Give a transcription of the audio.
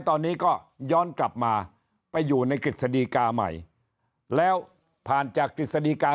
ตอนนี้ก็ย้อนกลับมาไปอยู่ในกฤษฎีกาใหม่แล้วผ่านจากกฤษฎีกา